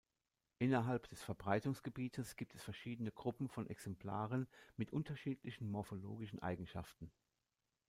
Innerhalb des Verbreitungsgebietes gibt es verschiedene Gruppen von Exemplaren mit unterschiedlichen morphologischen Eigenschaften.